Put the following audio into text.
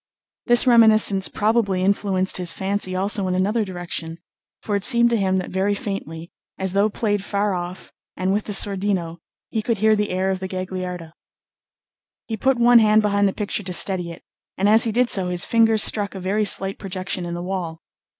This reminiscence probably influenced his fancy also in another direction; for it seemed to him that very faintly, as though played far off, and with the sordino, he could hear the air of the Gagliarda. He put one hand behind the picture to steady it, and as he did so his finger struck a very slight projection in the wall.